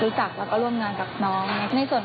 เราก็มีการบวงสวง